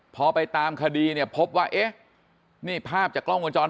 พอไปตามคดีเนี่ยพบว่าเนี่ยภาพจากกล้องกระจอน